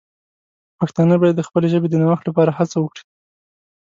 پښتانه باید د خپلې ژبې د نوښت لپاره هڅه وکړي.